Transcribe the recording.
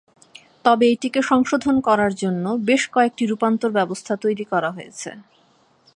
তবে এটিকে সংশোধন করার জন্য বেশ কয়েকটি রূপান্তর ব্যবস্থা তৈরি করা হয়েছে।